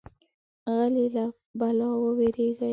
غلی، له بلا ووېریږي.